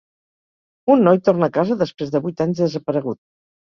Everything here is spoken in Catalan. Un noi torna a casa després de vuit anys desaparegut.